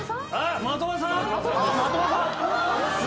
的場さん？